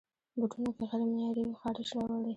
بوټونه که غیر معیاري وي، خارش راولي.